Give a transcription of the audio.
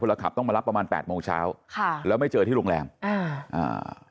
ขับต้องมารับประมาณแปดโมงเช้าค่ะแล้วไม่เจอที่โรงแรมอ่าอ่า